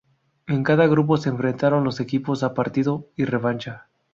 En cada grupo se enfrentaron los equipos a partido y revancha.